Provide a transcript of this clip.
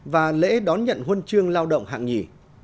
và lễ đón nhận huân chương lao động hạng nhì